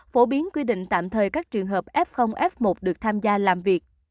phổ biến quy định tạm thời các trường hợp f f một được tham gia làm việc